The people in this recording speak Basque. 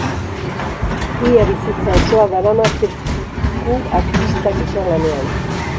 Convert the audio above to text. Ia bizitza osoa darama zirku-artista gisa lanean.